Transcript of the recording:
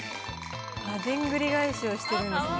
でんぐり返しをしてるんですね。